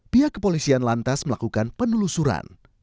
pihak kepolisian lantas melakukan penelusuran